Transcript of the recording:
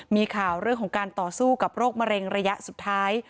มีข่าวเรื่องของการต่อสู้กับโรคมะเร็งระยะสุดท้าย